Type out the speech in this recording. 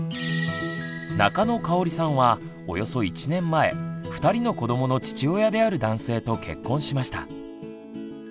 中野かおりさんはおよそ１年前２人の子どもの父親である男性と結婚しました。